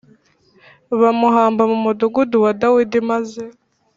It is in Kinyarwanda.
Bamuhamba mu mudugudu wa dawidi maze